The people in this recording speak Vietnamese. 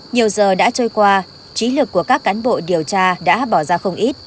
nhiều giờ đã trôi qua trí lực của các cán bộ điều tra đã bỏ ra không ít